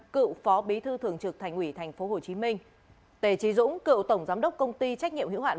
cựu phó bí thư thường trực thành ủy tp hcm tề trí dũng cựu tổng giám đốc công ty trách nhiệm hữu hạn